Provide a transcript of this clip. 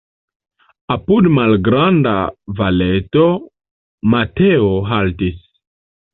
Apud malgranda valeto Mateo haltis.